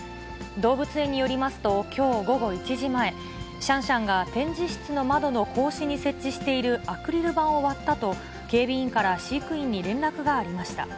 動物園によりますと、きょう午後１時前、シャンシャンが展示室の窓の格子に設置しているアクリル板を割ったと、警備員から飼育員に連絡がありました。